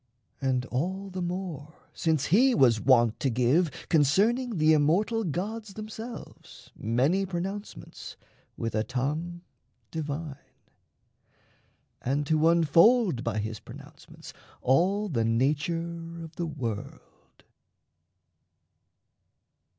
And all the more since he was wont to give, Concerning the immortal gods themselves, Many pronouncements with a tongue divine, And to unfold by his pronouncements all The nature of the world.